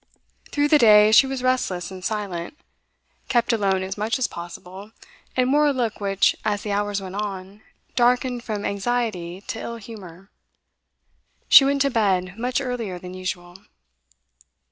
Through the day she was restless and silent, kept alone as much as possible, and wore a look which, as the hours went on, darkened from anxiety to ill humour. She went to bed much earlier than usual.